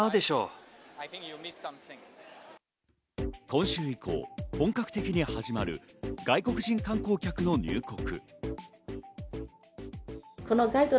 今週以降、本格的に始まる外国人観光客の入国。